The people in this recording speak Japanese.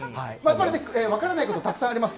分からないことはたくさんあります。